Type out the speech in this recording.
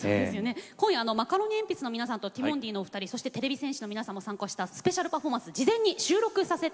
今夜マカロニえんぴつの皆さんとティモンディのお二人そしててれび戦士の皆さんも参加したスペシャルパフォーマンス事前に収録させて頂きました。